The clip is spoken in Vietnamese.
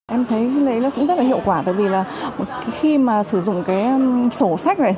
em thấy đấy nó cũng rất là hiệu quả tại vì là khi mà sử dụng cái sổ sách này